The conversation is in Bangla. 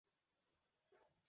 পড়ি নি, নায়না!